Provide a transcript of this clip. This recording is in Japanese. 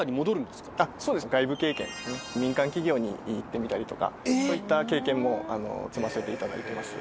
そうです外部経験民間企業に行ってみたりとかそういった経験も積ませていただいてます。